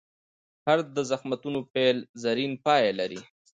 هر د زخمتونو پیل؛ زرین پای لري.